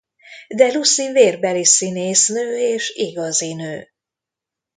De Lucy vérbeli színésznő és igazi nő.